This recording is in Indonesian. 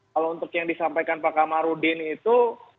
kalau untuk yang disampaikan pak kamarudin itu